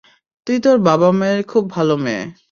তুই তোর বাবা-মায়ের খুব ভাল মেয়ে।